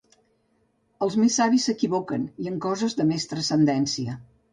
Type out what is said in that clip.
Els més savis s'equivoquen, i en coses de més transcendència.